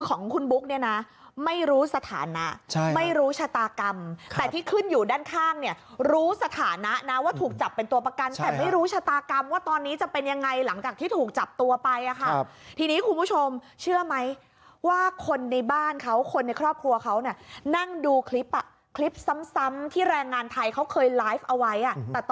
ของคุณบุ๊กเนี่ยนะไม่รู้สถานะไม่รู้ชะตากรรมแต่ที่ขึ้นอยู่ด้านข้างเนี่ยรู้สถานะนะว่าถูกจับเป็นตัวประกันแต่ไม่รู้ชะตากรรมว่าตอนนี้จะเป็นยังไงหลังจากที่ถูกจับตัวไปอ่ะค่ะทีนี้คุณผู้ชมเชื่อไหมว่าคนในบ้านเขาคนในครอบครัวเขาเนี่ยนั่งดูคลิปอ่ะคลิปซ้ำที่แรงงานไทยเขาเคยไลฟ์เอาไว้อ่ะแต่ต